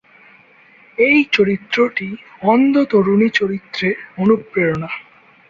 এই চরিত্রটি অন্ধ তরুণী চরিত্রের অনুপ্রেরণা।